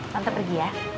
tante pergi ya